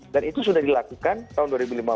dan itu sudah dilakukan tahun dua ribu lima belas